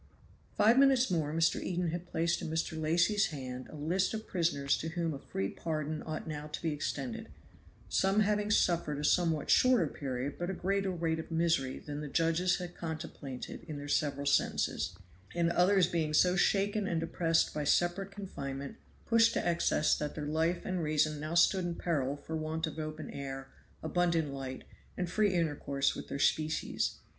Five minutes more Mr. Eden had placed in Mr. Lacy's hands a list of prisoners to whom a free pardon ought now to be extended, some having suffered a somewhat shorter period but a greater weight of misery than the judges had contemplated in their several sentences; and others being so shaken and depressed by separate confinement pushed to excess that their life and reason now stood in peril for want of open air, abundant light, and free intercourse with their species.